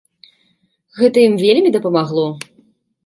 Гэта ім вельмі дапамагло.